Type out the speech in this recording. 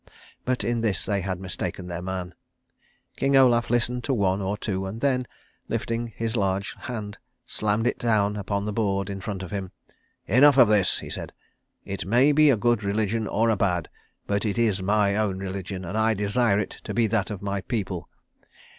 But in this they had mistaken their man. King Olaf listened to one or two, and then, lifting his large hand, slammed it down upon the board in front of him. "Enough of this," he said. "It may be a good religion or a bad, but it is my own religion, and I desire it to be that of my people.